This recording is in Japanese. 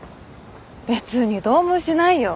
別にどうもしないよ。